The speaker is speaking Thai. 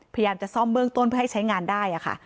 พยายามจะซ่อมเบื้องต้นเพื่อให้ใช้งานได้ค่ะ